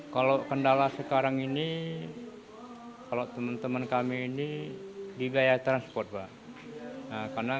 kalau kendala sekarang ini kalau teman teman kami ini di gaya transport pak